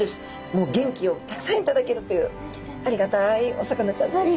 もう元気をたくさん頂けるというありがたいお魚ちゃんです。